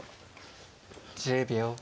１０秒。